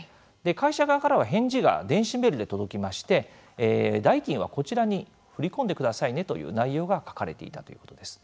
会社側からは返事が電子メールで届きまして代金はこちらに振り込んでくださいねという内容が書かれていたということです。